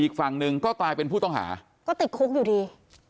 อีกฝั่งหนึ่งก็กลายเป็นผู้ต้องหาก็ติดคุกอยู่ดี